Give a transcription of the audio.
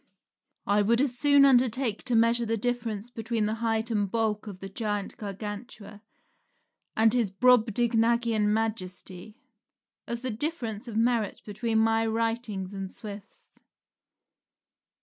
I would as soon undertake to measure the difference between the height and bulk of the giant Gargantua and his Brobdignagian Majesty, as the difference of merit between my writings and Swift's.